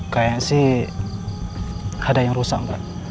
kayaknya sih ada yang rusak mbak